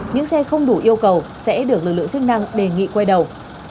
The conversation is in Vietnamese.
những xe không đủ yêu cầu sẽ được lực lượng chức năng đề nghị quay đầu